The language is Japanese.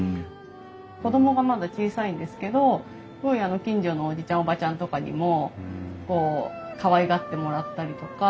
子供がまだ小さいんですけどすごい近所のおじちゃんおばちゃんとかにもこうかわいがってもらったりとか。